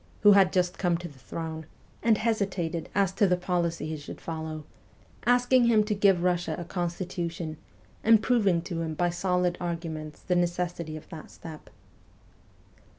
who had just come to the throne, and hesitated as to the policy he 222 MEMOIRS OF A REVOLUTIONIST should follow asking him to give Eussia a constitution, and proving to him by solid arguments the necessity of that step.